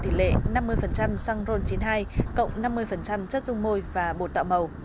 tỷ lệ năm mươi xăng ron chín mươi hai cộng năm mươi chất dung môi và bột tạo màu